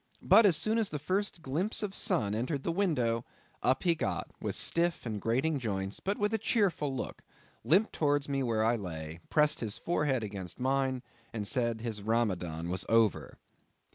But as soon as the first glimpse of sun entered the window, up he got, with stiff and grating joints, but with a cheerful look; limped towards me where I lay; pressed his forehead again against mine; and said his Ramadan was over.